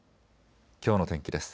きょうの天気です。